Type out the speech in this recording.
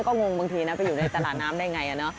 ก็งงบางทีนะไปอยู่ในตลาดน้ำได้ไง